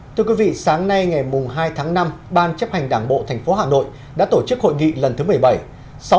thưa quý vị sáng nay ngày hai tháng năm ban chấp hành đảng bộ tp hà nội đã tổ chức hội nghị lần thứ một mươi bảy